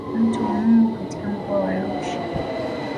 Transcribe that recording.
Mto wa mbu katika mkoa wa Arusha